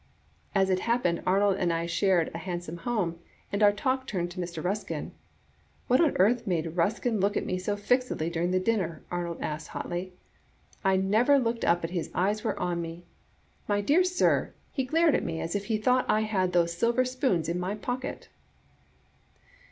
As it happened Arnold and I shared a hansom home, and our talk turned on Mr, Huskin. 'What on earth made Kuskin Digitized by VjOOQ IC xxTiii 5. *♦ 3Bartle» look at me so fixedly during the dinner?' Arnold asked, hotly. ' I never looked up but his eyes were on me. My dear sir, he glared at me as if he thought I had those silver spoons in my pocket.